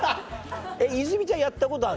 えっ泉ちゃんやったことある？